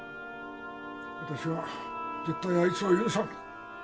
私は絶対あいつを許さん。